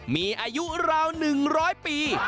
มีอายุราว๑๐๐ปี